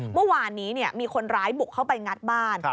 เมื่อวานนี้มีคนร้ายบุกเข้าไปงัดบ้าน